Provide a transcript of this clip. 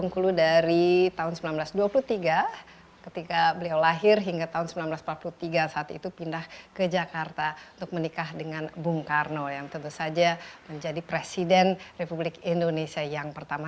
ketika beliau lahir hingga tahun seribu sembilan ratus empat puluh tiga saat itu pindah ke jakarta untuk menikah dengan bung karno yang tentu saja menjadi presiden republik indonesia yang pertama